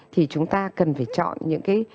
thì chúng ta cần phải chọn những cái